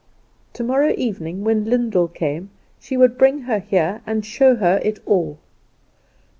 Tomorrow evening when Lyndall came she would bring her here, and show it her all.